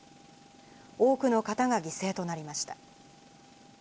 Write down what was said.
多くの方が犠牲となりました。